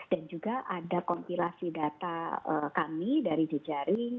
dan juga ada kompilasi data kami dari jejaring